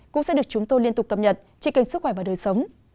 cũng sẽ được chúng tôi liên tục tập nhật trên kênh sức khỏe và đời sống